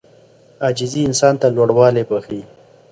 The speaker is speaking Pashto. عاجزي انسان ته لوړوالی بښي.